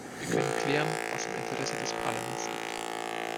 Wir können klären, was im Interesse des Parlaments liegt.